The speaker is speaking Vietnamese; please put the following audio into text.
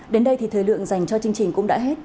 đến đây thì thời lượng dành cho chương trình cũng đã hết